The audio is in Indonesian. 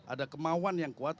ada kemauan yang kuat